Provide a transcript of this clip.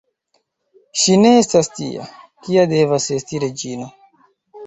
Ŝi ne estas tia, kia devas esti reĝino.